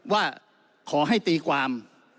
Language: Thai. ว่าขอให้ตีความ